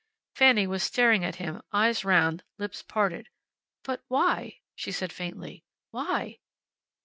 Fanny was staring at him eyes round, lips parted. "But why?" she said, faintly. "Why?"